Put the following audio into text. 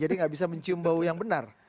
jadi tidak bisa mencium bau yang benar